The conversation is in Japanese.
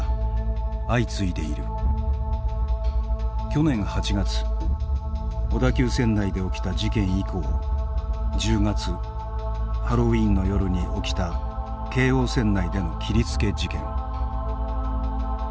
去年８月小田急線内で起きた事件以降１０月ハロウィーンの夜に起きた京王線内での切りつけ事件。